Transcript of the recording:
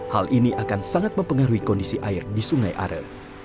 hal ini akan sangat mempengaruhi kondisi air di sungai are